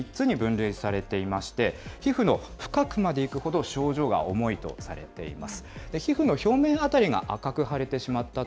やけどの傷の深さというのは、大きく３つに分類されていまして、皮膚の深くまでいくほど、症状が重いとされています。